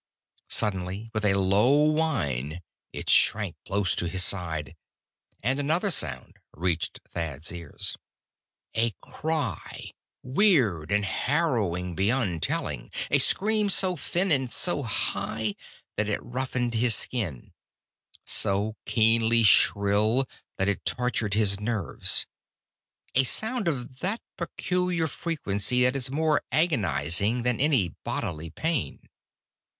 Suddenly, with a low whine, it shrank close to his side. And another sound reached Thad's ears. A cry, weird and harrowing beyond telling. A scream so thin and so high that it roughened his skin, so keenly shrill that it tortured his nerves; a sound of that peculiar frequency that is more agonizing than any bodily pain.